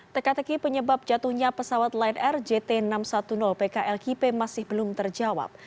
teka teki penyebab jatuhnya pesawat lion air jt enam ratus sepuluh pklkp masih belum terjawab